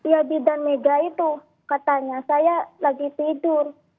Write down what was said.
ya bidan mega itu katanya saya lagi tidur